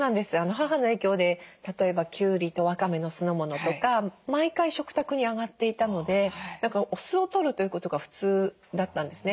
母の影響で例えばきゅうりとわかめの酢の物とか毎回食卓に上がっていたのでお酢をとるということが普通だったんですね。